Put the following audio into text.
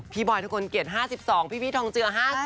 พี่บอยทุกคนเกลียด๕๒พี่พีชทองเจือ๕๐